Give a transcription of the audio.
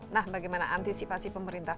nah bagaimana antisipasi pemerintah